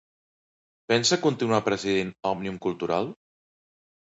Pensa continuar presidint Òmnium Cultural?